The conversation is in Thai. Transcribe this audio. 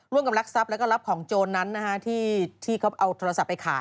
กับรักทรัพย์แล้วก็รับของโจรนั้นที่เขาเอาโทรศัพท์ไปขาย